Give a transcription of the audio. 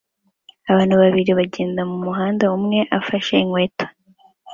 Abantu babiri bagenda mumuhanda umwe afashe inkweto